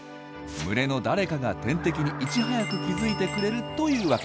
群れの誰かが天敵にいち早く気付いてくれるというわけです。